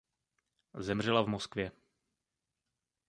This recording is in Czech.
Zemřela v Moskvě.